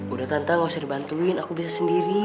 udah tante gak usah dibantuin aku bisa sendiri